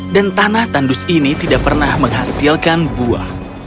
dan tanah tandus ini tidak pernah menghasilkan buah